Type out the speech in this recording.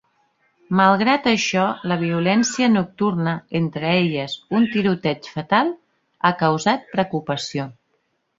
Malgrat això, la violència nocturna, entre elles un tiroteig fatal, ha causat preocupació.